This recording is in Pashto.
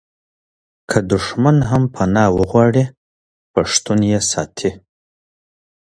که دښمن هم پنا وغواړي پښتون یې ساتي.